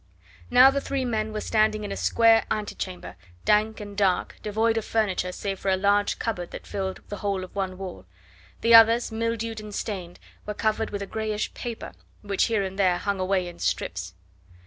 Now the three men were standing in a square antechamber, dank and dark, devoid of furniture save for a large cupboard that filled the whole of one wall; the others, mildewed and stained, were covered with a greyish paper, which here and there hung away in strips.